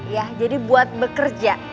ya jadi buat bekerja